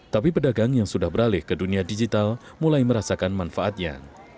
tapi pedagang yang sudah beralih ke dunia digital mulai merasakan manfaatnya